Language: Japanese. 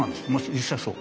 実際そう。